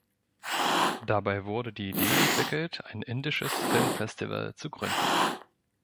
Dabei wurde die Idee entwickelt, ein indisches Filmfestival zu gründen.